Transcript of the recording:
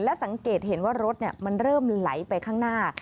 สังเกตเห็นว่ารถมันเริ่มไหลไปข้างหน้า